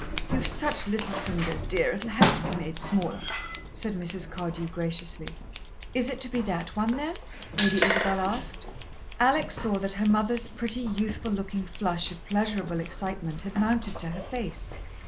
"You've such little fingers, dear, it'll have to be made smaller," said Mrs. Cardew graciously. "Is it to be that one, then?" Lady Isabel asked. Alex saw that her mother's pretty, youthful looking flush of pleasurable excitement had mounted to her face.